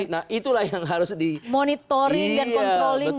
nah itulah yang harus dimonitoring dan controlling